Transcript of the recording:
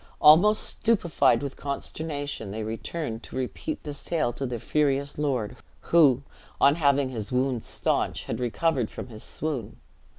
Almost stupefied with consternation, they returned to repeat this tale to their furious lord; who, on having his wounds staunched, had recovered from his swoon.